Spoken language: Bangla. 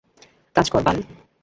কাজ কর, বাল!